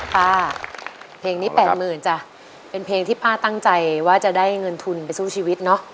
เพลงนี้แปดหมื่นจ้ะเป็นเพลงที่ป้าตั้งใจว่าจะได้เงินทุนไปสู้ชีวิตเนอะ